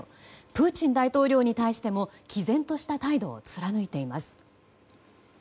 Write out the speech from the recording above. プーチン大統領に対しても毅然とした態度を貫いています。